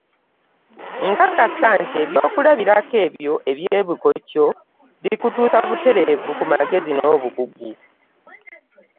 Nkakasa nti ebyokulabirako ebyo eby’ebikokyo bikutuusa butereevu ku magezi n’obukugu.